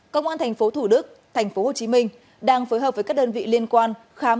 công an tp thủ đức tp hồ chí minh đang phối hợp với các đơn vị liên quan khám